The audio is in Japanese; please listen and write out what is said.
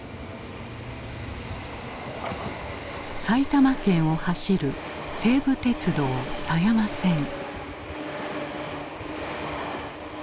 埼玉県を走る西武鉄道狭山線。